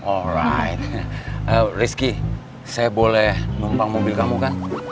alright rizky saya boleh membang mobil kamu kan